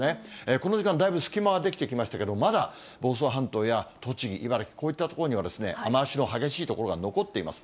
この時間、だいぶ隙間が出来てきましたけれども、まだ房総半島や栃木、茨城、こういった所には、雨足の激しい所が残っています。